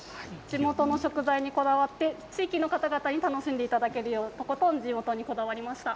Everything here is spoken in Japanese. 地元の食材にこだわって地域の方々に楽しんでいただけるようにとことん地域にこだわりました。